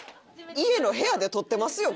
家の部屋で撮ってますよ